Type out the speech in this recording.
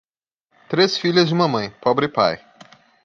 Três filhas e uma mãe, pobre pai.